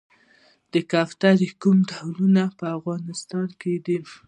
د کوترو کوم ډولونه په افغانستان کې دي؟